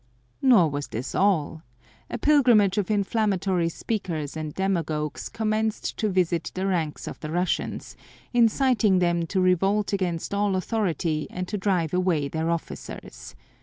Nor was this all. A pilgrimage of inflammatory speakers and demagogues commenced to visit the ranks of the Russians, inciting them to revolt against all authority and to drive away their officers.